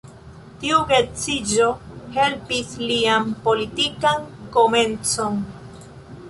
Tiu geedziĝo helpis lian politikan komencon.